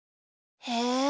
へえ。